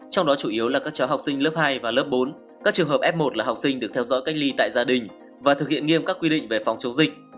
trong đó chủ yếu là các cháu học sinh lớp hai và lớp bốn các trường hợp f một là học sinh được theo dõi cách ly tại gia đình và thực hiện nghiêm các quy định về phòng chống dịch